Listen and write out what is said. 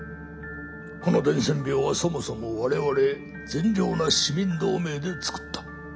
この伝染病はそもそも我々善良な市民同盟で作った。